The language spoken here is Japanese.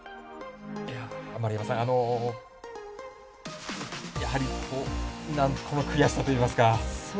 丸山さん、やはりこの悔しさといいますか。